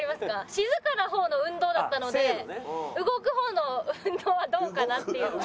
静かな方の運動だったので動く方の運動はどうかなっていう。